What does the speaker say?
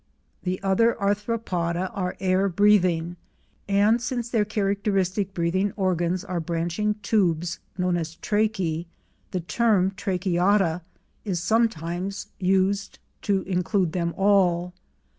The other Arthropoda are air breathing, and since their characteristic breathing organs are branching tubes known as tracheae, the term Tracheata is sometimes used to include them all.